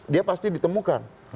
dia pasti ditemukan